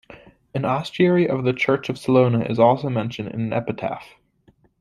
An ostiary of the church of Salona is also mentioned in an epitaph.